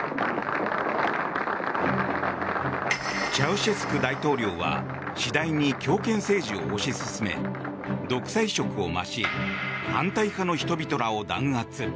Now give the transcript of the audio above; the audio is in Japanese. チャウシェスク大統領は次第に強権政治を推し進め独裁色を増し反対派の人々らを弾圧。